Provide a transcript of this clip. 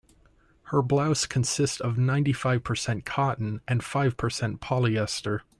Her blouse consists of ninety-five percent cotton and five percent polyester.